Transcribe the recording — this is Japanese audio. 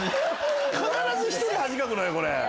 必ず１人恥かくのよこれ。